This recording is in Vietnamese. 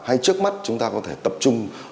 hay trước mắt chúng ta có thể tập trung